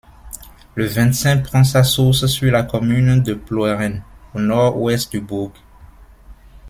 Le Vincin prend sa source sur la commune de Ploeren, au nord-ouest du bourg.